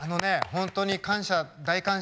本当に感謝